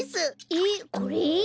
えっこれ？